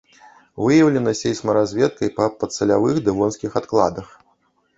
Выяўлена сейсмаразведкай па падсалявых дэвонскіх адкладах.